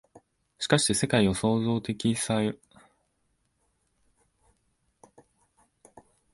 しかして世界を創造作用的に把握するということは、イデヤ的にということである。